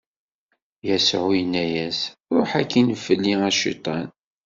Yasuɛ inna-as: Ṛuḥ akkin fell-i, a Cciṭan!